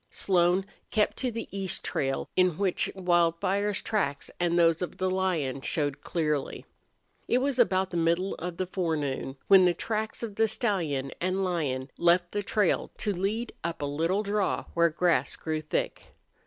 Slone kept to the east trail, in which Wildfire's tracks and those of the lion showed clearly. It was about the middle of the forenoon when the tracks of the stallion and lion left the trail to lead up a little draw where grass grew thick.